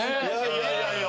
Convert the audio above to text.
いやいやいや。